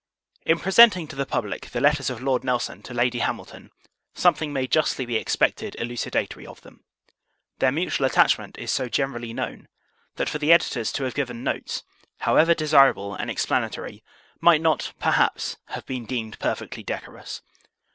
In presenting to the Public the Letters of LORD NELSON to LADY HAMILTON, something may justly be expected elucidatory of them. Their mutual attachment is so generally known, that for the Editors to have given notes, however desirable and explanatory, might not, perhaps, have been deemed perfectly decorous.